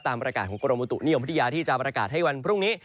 ประกาศของกรมบุตุนิยมพัทยาที่จะประกาศให้วันพรุ่งนี้